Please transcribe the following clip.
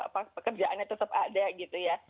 pekerjaannya tetap ada gitu ya